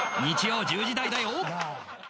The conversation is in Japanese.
日曜１０時台だよ